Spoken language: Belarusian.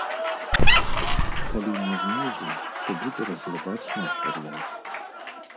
Калі не знойдзе, то будзе разглядаць наш варыянт.